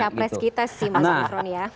itu janji kedua capres kita sih mas gufron ya